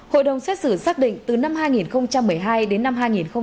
hội đồng xét xử xác định từ năm hai nghìn một mươi hai đến năm hai nghìn một mươi bảy